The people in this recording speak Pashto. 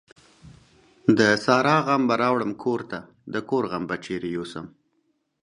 د سارا غم به راوړم کورته ، دکور غم به چيري يو سم ؟.